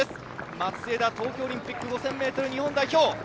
松枝、東京オリンピック５０００ｍ日本代表。